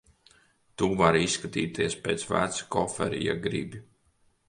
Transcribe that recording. Tu vari izskatīties pēc veca kofera, ja gribi.